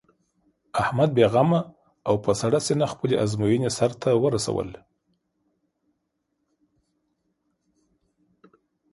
احمد بې غمه او په سړه سینه خپلې ازموینې سر ته ورسولې.